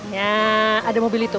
ya ada mobil itu